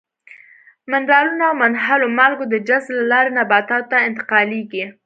منرالونه او منحلو مالګو د جذب له لارې نباتاتو ته انتقالیږي.